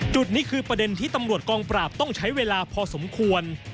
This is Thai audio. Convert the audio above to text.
จุดนี้คือประเด็นที่ตำรวจกองปราบต้องใช้เวลาพอสมควร